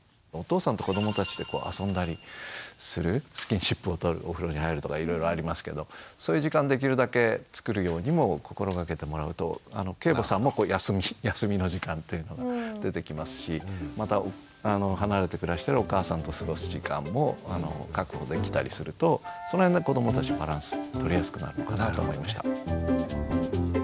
お父さんと子どもたちで遊んだりするスキンシップを取るお風呂に入るとかいろいろありますけどそういう時間できるだけつくるようにも心がけてもらうと継母さんも休みの時間っていうのが出てきますしまた離れて暮らしてるお母さんと過ごす時間も確保できたりするとその辺で子どもたちバランス取りやすくなるのかなと思いました。